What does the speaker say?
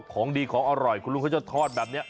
ของดีของอร่อยคุณลุงเขาจะทอดแบบนี้